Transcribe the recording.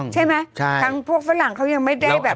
ใช่ไหมทั้งพวกฝรั่งเขายังไม่ได้แบบ